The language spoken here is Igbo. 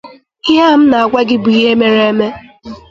Ihe a m na-agwa gị bụ ihe mere eme